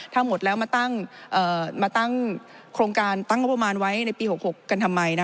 ถ้าหมดแล้วมาตั้งโครงการตั้งงบประมาณไว้ในปี๖๖กันทำไม